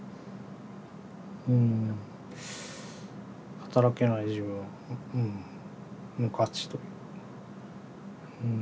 働けない自分無価値という。